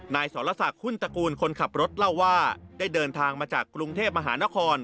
สรษักหุ้นตระกูลคนขับรถเล่าว่าได้เดินทางมาจากกรุงเทพมหานคร